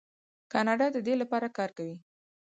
کاناډا د دې لپاره کار کوي.